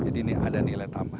jadi ini ada nilai tambah